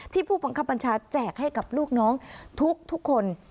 ผู้บังคับบัญชาแจกให้กับลูกน้องทุกคน